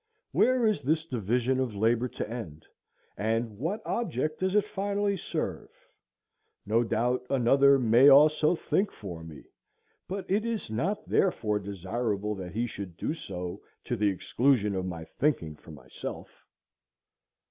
Where is this division of labor to end? and what object does it finally serve? No doubt another may also think for me; but it is not therefore desirable that he should do so to the exclusion of my thinking for myself.